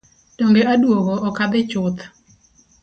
Donge aduogo ok adhi chuth.